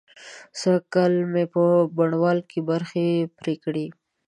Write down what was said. سږکال مې په بڼوال کې برځې پرې کړې.